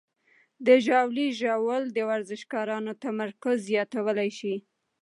د ژاولې ژوول د ورزشکارانو تمرکز زیاتولی شي.